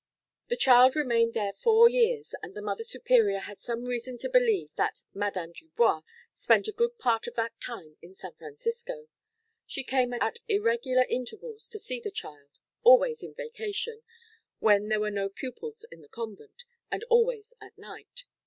"The child remained there four years, and the Mother Superior had some reason to believe that 'Madame Dubois' spent a good part of that time in San Francisco. She came at irregular intervals to see the child always in vacation, when there were no pupils in the convent, and always at night.